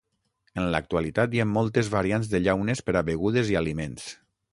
En l'actualitat hi ha moltes variants de llaunes per a begudes i aliments.